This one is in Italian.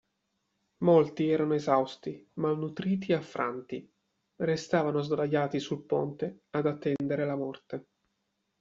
Molti erano esausti, malnutriti e affranti: restavano sdraiati sul ponte ad attendere la morte.